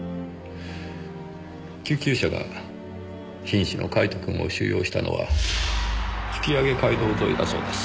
救急車が瀕死のカイトくんを収容したのは吹上街道沿いだそうです。